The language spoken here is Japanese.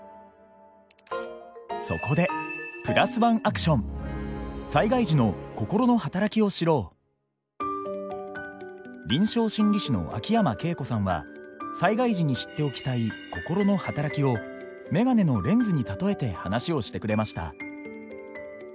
そこで臨床心理士の秋山恵子さんは災害時に知っておきたい心の働きをメガネのレンズに例えて話をしてくれました。